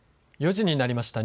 ４時になりました。